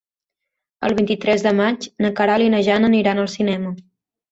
El vint-i-tres de maig na Queralt i na Jana aniran al cinema.